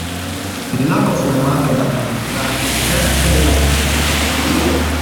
Il lago formato dalla diga è il terzo della Turchia.